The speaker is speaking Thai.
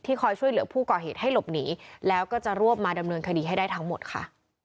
คอยช่วยเหลือผู้ก่อเหตุให้หลบหนีแล้วก็จะรวบมาดำเนินคดีให้ได้ทั้งหมดค่ะ